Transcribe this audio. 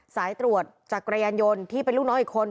สายตรวจจักรยานยนต์ที่เป็นลูกน้องอีกคน